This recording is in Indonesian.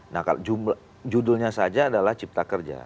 nah judulnya saja adalah cipta kerja